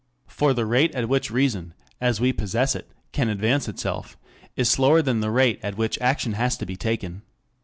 4 For the rate at which reason, as we possess it, can advance itself is slower than the rate at which action has to be taken.